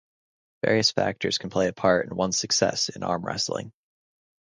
Various factors can play a part in one's success in arm wrestling.